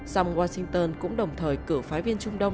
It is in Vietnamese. song washington cũng đồng thời cử phái viên trung đông